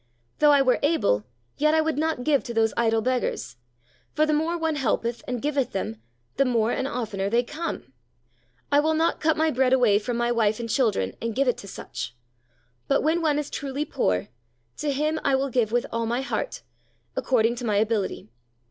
Though I were able, yet I would not give to those idle beggars, for the more one helpeth and giveth them, the more and oftener they come. I will not cut my bread away from my wife and children, and give it to such; but when one is truly poor, to him I will give with all my heart, according to my ability.